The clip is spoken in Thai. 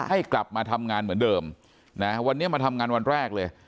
ให้กลับมาทำงานเหมือนเดิมนะวันนี้มาทำงานวันแรกเลย